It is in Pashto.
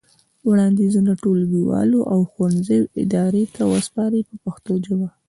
وړاندیزونه ټولګیوالو او ښوونځي ادارې ته وسپارئ په پښتو ژبه.